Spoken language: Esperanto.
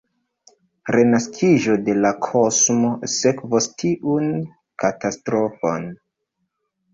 Renaskiĝo de la kosmo sekvos tiun katastrofon.